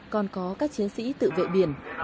còn có các chiến sĩ tự vệ biển